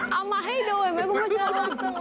เอามาให้ดูเห็นไหมคุณผู้ชม